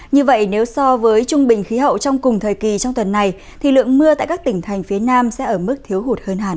như vậy nếu so với trung bình khí hậu trong cùng thời kỳ trong tuần này thì lượng mưa tại các tỉnh thành phía nam sẽ ở mức thiếu hụt hơn hẳn